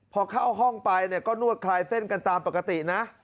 พอเข้าห้องไปเนี่ยก็นวดคลายเส้นกันตามปกตินะ